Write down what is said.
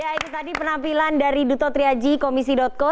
ya itu tadi penampilan dari duto triaji komisi co